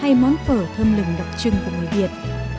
hay món phở thơm lừng đặc trưng của người việt